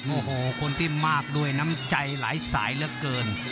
โอ้โหคนที่มากด้วยน้ำใจหลายสายเหลือเกิน